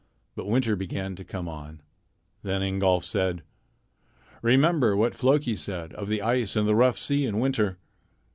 But winter began to come on. Then Ingolf said: "Remember what Floki said of the ice and the rough sea in winter.